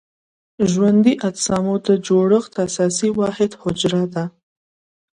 ژوندي اجسامو د جوړښت اساسي واحد حجره ده.